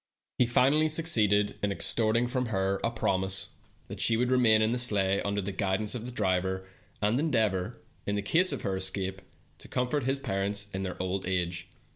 157 ceeded in extorting from her a promise that she would remain in the sleigh under the guidance of the driver, and endeavor, in case of her escape, to comfort his parents in their old age.